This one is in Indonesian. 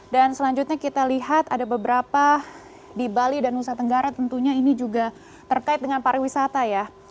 dan selanjutnya kita lihat ada beberapa di bali dan nusa tenggara tentunya ini juga terkait dengan pariwisata ya